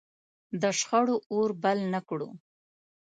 د شخړو اور بل نه کړو.